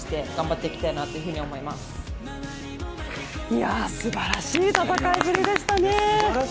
いや、すばらしい戦いぶりでしたね。